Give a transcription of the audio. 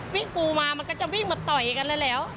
กูมามันก็จะวิ่งมาต่อยกันแล้ว